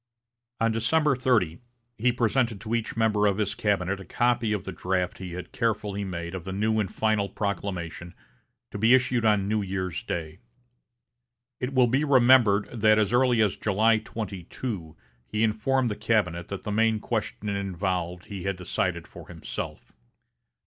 On December 30, he presented to each member of his cabinet a copy of the draft he had carefully made of the new and final proclamation to be issued on New Year's day. It will be remembered that as early as July 22, he informed the cabinet that the main question involved he had decided for himself.